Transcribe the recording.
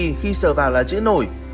khi sờ vào là chữ nổi